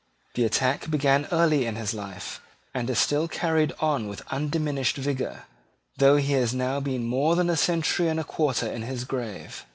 The attack began early in his life, and is still carried on with undiminished vigour, though he has now been more than a century and a quarter in his grave.